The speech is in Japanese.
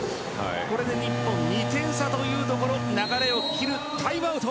これで日本２点差というところ流れを切るタイムアウト。